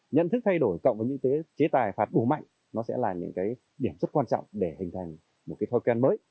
nhận thức thay đổi cộng với những cái chế tài phạt đủ mạnh nó sẽ là những cái điểm rất quan trọng để hình thành một cái thói quen mới